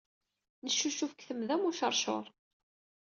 Neccucuf deg temda m uceṛcuṛ.